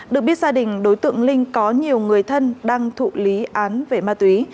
được biết gia đình đối tượng linh có nhiều người thân đang thụ lý án về ma túy